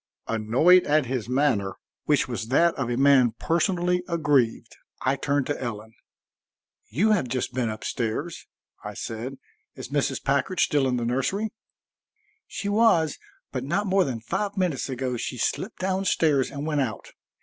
Annoyed at his manner, which was that of a man personally aggrieved, I turned to Ellen. "You have just been up stairs," I said. "Is Mrs. Packard still in the nursery?" "She was, but not more than five minutes ago she slipped down stairs and went out.